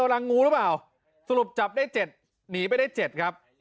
รังงูหรือเปล่าสรุปจับได้๗หนีไปได้๗ครับ